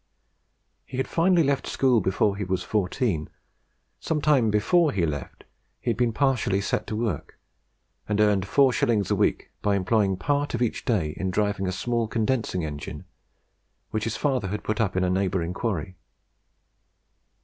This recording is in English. He had finally left school before he was fourteen. Some time before he left, he had been partially set to work, and earned four shillings a week by employing a part of each day in driving a small condensing engine which his father had put up in a neighbouring quarry.